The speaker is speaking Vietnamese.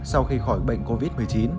sau khi khỏi bệnh covid một mươi chín